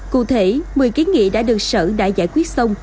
cụ thể một mươi kiến nghị đã được sở đã giải quyết xong